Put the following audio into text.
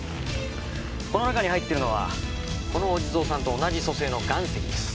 この中に入ってるのはこのお地蔵さんと同じ組成の岩石です。